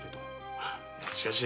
しかし。